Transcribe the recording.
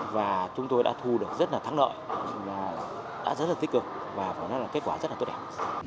và chúng tôi đã thu được rất là thắng lợi đã rất là tích cực và kết quả rất là tốt đẹp